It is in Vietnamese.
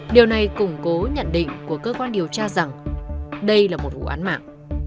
điều này củng cố nhận định của cơ quan điều tra rằng đây là một vụ án mạng